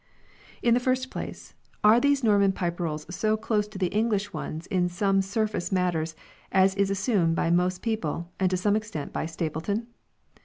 In the first place, are these Norman Pipe Rolls so close to the English ones in small surface matters as is assumed by most people and to some extent by Stapleton